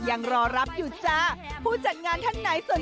ผัวไปเถินเอาผัวไปเถินเอาผัวไปเถิน